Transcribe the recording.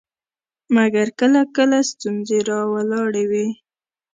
مګر کله کله ستونزې راولاړوي.